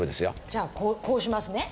じゃあこうしますね。